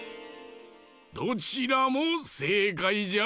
どちらもせいかいじゃ。